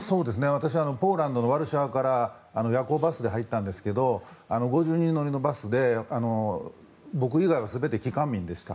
私はポーランドのワルシャワから夜行バスで入ったんですけど５０人乗りのバスで僕以外は全て帰還民でした。